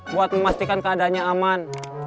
buat memastikan keadaannya aman